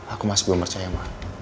aku masih belum percaya